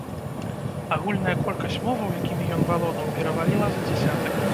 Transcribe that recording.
Агульная колькасць моваў, якімі ён валодаў, пераваліла за дзясятак.